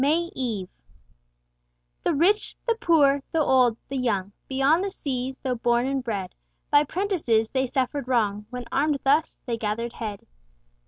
MAY EVE "The rich, the poor, the old, the young, Beyond the seas though born and bred, By prentices they suffered wrong, When armed thus, they gather'd head."